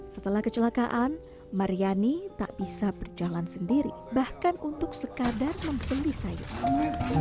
setelah kecelakaan mariani tak bisa berjalan sendiri bahkan untuk sekadar membeli sayuran